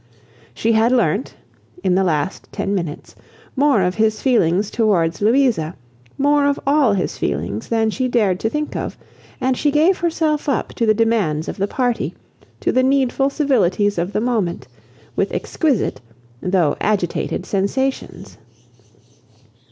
She had learnt, in the last ten minutes, more of his feelings towards Louisa, more of all his feelings than she dared to think of; and she gave herself up to the demands of the party, to the needful civilities of the moment, with exquisite, though agitated sensations.